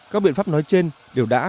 các biện pháp nói trên đều đã